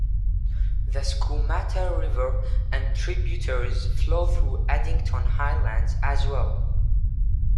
The Skootamatta River and tributitaries flow through Addington Highlands as well.